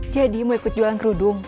jadi mau ikut jualan kerudung